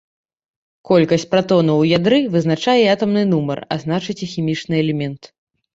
Колькасць пратонаў у ядры вызначае атамны нумар, а значыць і хімічны элемент.